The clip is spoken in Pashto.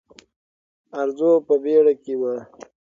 ارزو په بیړه کې وه.